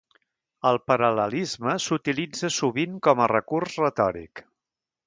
El paral·lelisme s'utilitza sovint com a recurs retòric.